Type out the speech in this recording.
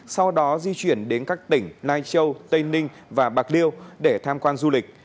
sau đó di chuyển đến các tỉnh lai châu tây ninh và bạc liêu để tham quan du lịch